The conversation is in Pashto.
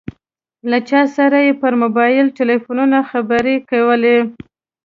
له چا سره یې پر موبایل ټیلیفون خبرې کولې.